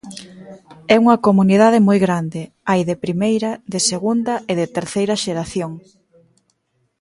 É unha comunidade moi grande, hai de primeira, de segunda e de terceira xeración.